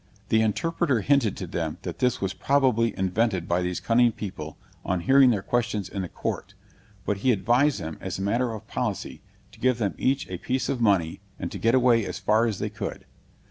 The interpreter hinted to them that this was probably invented by these cunning people, on hearing their questions in the court; but he advised them, as a matter of policy, to give them each a piece of money, and to get away as far as they could.